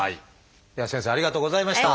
では先生ありがとうございました。